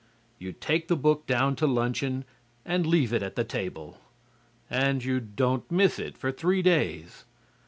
You take the book down to luncheon and leave it at the table. And you don't miss it for three days.